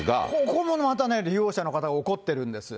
ここもまたね、利用者の方が怒ってるんです。